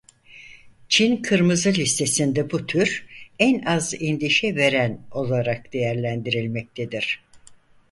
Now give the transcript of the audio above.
Çin Kırmızı Listesi'nde bu tür En Az Endişe Veren olarak değerlendirilmektedir.